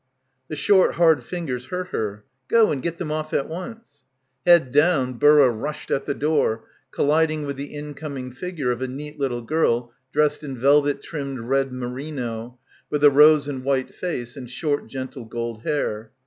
The short hard fingers hurt her. "Go and get them off at once." Head down Burra rushed at the door, colliding with the incoming figure of a neat little girl dressed in velvet trimmed red merino, with a rose and white face and short gentle gold hair.